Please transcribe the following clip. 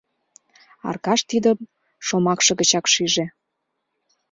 Аркаш тидым шомакше гычак шиже.